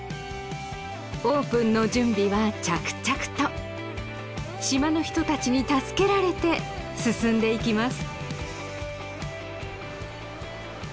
オープンの準備は着々と島の人たちに助けられて進んでいきます